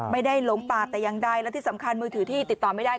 ไม่ได้ลงป่าแต่ยังใดแล้วที่สำคัญมือถือที่ติดต่อไม่ได้